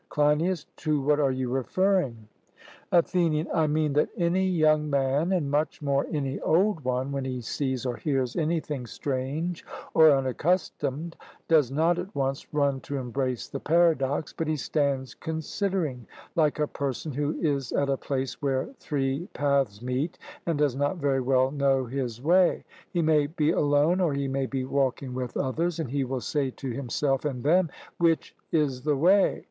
CLEINIAS: To what are you referring? ATHENIAN: I mean that any young man, and much more any old one, when he sees or hears anything strange or unaccustomed, does not at once run to embrace the paradox, but he stands considering, like a person who is at a place where three paths meet, and does not very well know his way he may be alone or he may be walking with others, and he will say to himself and them, 'Which is the way?'